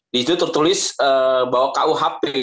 di situ tertulis bahwa kuhp